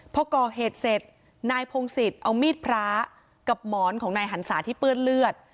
พอก่อเหตุเสร็จนายพงศิษย์เอามีดพระกับหมอนของนายหันศาที่เปื้อนเลือด